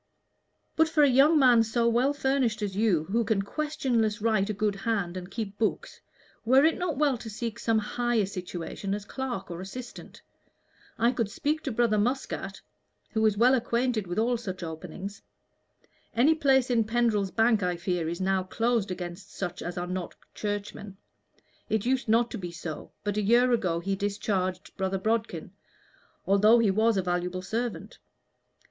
"But for a young man so well furnished as you, who can questionless write a good hand and keep books, were it not well to seek some higher situation as clerk or assistant? I could speak to Brother Muscat, who is well acquainted with all such openings. Any place in Pendrell's Bank, I fear, is now closed against such as are not Churchmen. It used not to be so, but a year ago he discharged Brother Bodkin, although he was a valuable servant.